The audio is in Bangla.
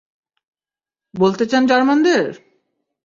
বলতে চান জার্মানদের?